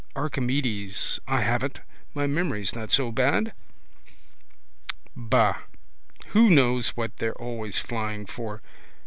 Archimedes. I have it! My memory's not so bad. Ba. Who knows what they're always flying for.